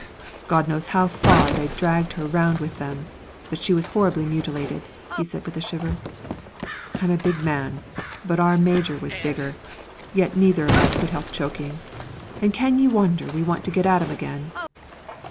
"God knows how far they'd dragged her round with them, but she was horribly mutilated," he said with a shiver. "I'm a big man, but our major was bigger, yet neither of us could help choking. And can ye wonder we want to get at 'em again?"